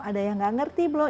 ada yang nggak ngerti blo